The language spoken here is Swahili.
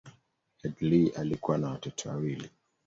Headlee alikuwa na watoto wawili.